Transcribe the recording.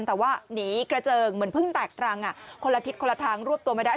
แต่ว่าหนีกระเจิงเหมือนเพิ่งแตกรังคนละทิศคนละทางรวบตัวไม่ได้